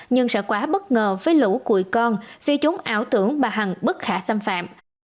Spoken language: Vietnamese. nhưng sẽ quá bất ngờ với lũ cùi con vì chúng ảo tưởng bà hằng bất khả xâm phạm